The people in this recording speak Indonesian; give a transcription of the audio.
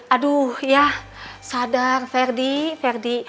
aduh ya sadar ferdi verdi